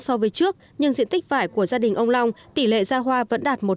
so với trước nhưng diện tích vải của gia đình ông long tỷ lệ ra hoa vẫn đạt một trăm linh